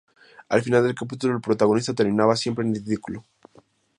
Al final del capítulo el protagonista terminaba siempre en ridículo.